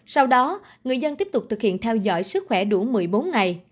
sau đó người dân tiếp tục thực hiện theo dõi sức khỏe đủ một mươi bốn ngày